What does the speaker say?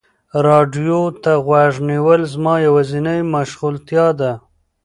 راډیو ته غوږ نیول زما یوازینی مشغولتیا ده.